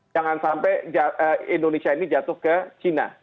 jangan sampai indonesia ini jatuh ke china